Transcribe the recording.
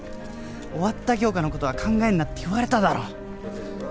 「終わった教科のことは考えんな」って言われただろ